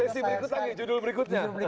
sesi berikutnya judul berikutnya